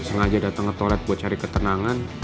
sengaja datang ke toilet buat cari ketenangan